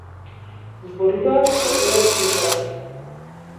Зборуваат кога треба да слушаат.